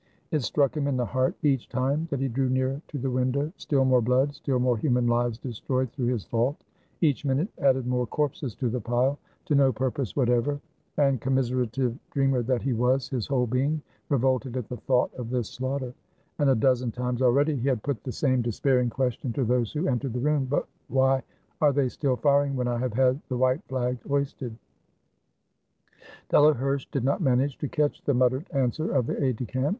It struck him in the heart each time that he drew near to the window. Still more blood, still more human lives destroyed through his fault! Each minute added more corpses to the pile, to no purpose whatever. And, com miserative dreamer that he was, his whole being re volted at the thought of this slaughter; and a dozen times already he had put the same despairing question 399 FRANCE to those who entered the room: "But why are they still firing when I have had the white flag hoisted?" Delaherche did not manage to catch the muttered an swer of the aide de camp.